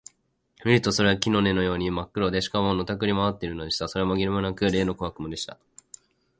見るとそれは木の根のようにまっ黒で、しかも、のたくり廻っているのでした。それはまぎれもなく、例の小悪魔でした。